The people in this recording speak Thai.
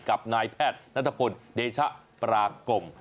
กับนายแพทย์นัทพลเดชะปรากลม